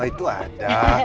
oh itu ada